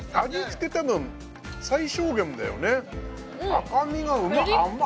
赤身がうまっ甘っ